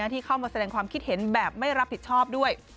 ที่เข้ามาแสดงความคิดเห็นแบบไม่รับผิดชอบด้วย